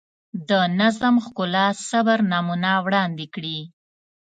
د نظم، ښکلا، صبر نمونه وړاندې کړي.